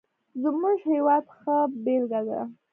زموږ هېواد ښه بېلګه ده.